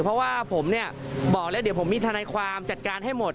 เพราะว่าผมเนี่ยบอกแล้วเดี๋ยวผมมีทนายความจัดการให้หมด